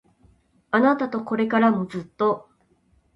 あなたとこれからもずっと